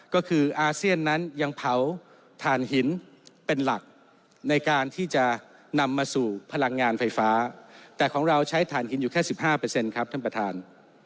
ก็คืออาเซียนนั้นยังเผาถ่านหินเป็นหลักในการที่จะนำมาสู่พลังงานไฟฟ้าแต่ของเราใช้ฐานหินอยู่แค่๑๕ครับท่านประธาน